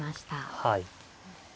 はい。